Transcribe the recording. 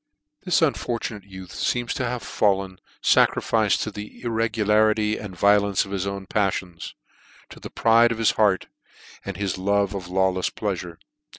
547 This unfortunate youth Teems to have fallen a orifice to the irregularity and violence of his own paffions : >o the pride of his heart, and his love of' Jawleis pleafure.